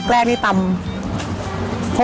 แรกนี่ตำโครกหิน